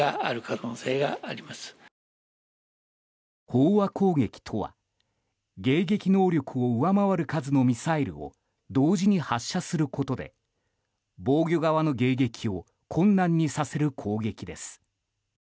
飽和攻撃とは迎撃能力を上回る数のミサイルを同時に発射することで防御側の迎撃を困難にさせる攻撃です。